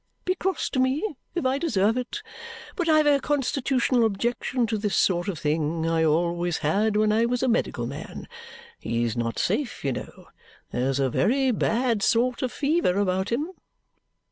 Be cross to me if I deserve it. But I have a constitutional objection to this sort of thing. I always had, when I was a medical man. He's not safe, you know. There's a very bad sort of fever about him."